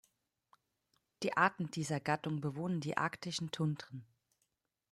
Die Arten dieser Gattung bewohnen die arktischen Tundren.